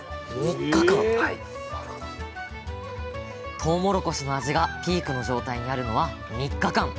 とうもろこしの味がピークの状態にあるのは３日間。